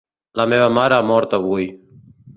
La meva mare ha mort avui.